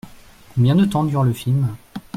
Combien de temps dure le film ?